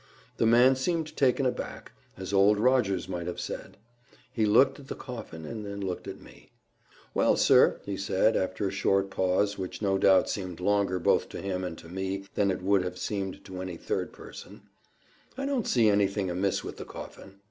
The man seemed taken aback, as Old Rogers might have said. He looked at the coffin and then looked at me. "Well, sir," he said, after a short pause, which no doubt seemed longer both to him and to me than it would have seemed to any third person, "I don't see anything amiss with the coffin.